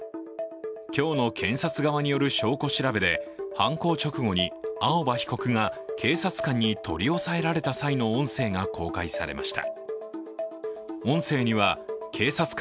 今日の検察側による証拠調べで犯行直後に青葉被告が警察官に取り押さえられた際の音声が公開されました。